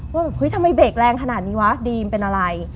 ว่าทำไมเบรกแรงขนาดนี้วะดรีมเป็นอะไร